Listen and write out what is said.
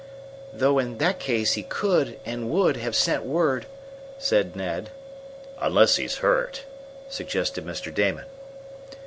"Though in that case he could, and would, have sent word," said Ned. "Unless he's hurt," suggested Mr. Damon.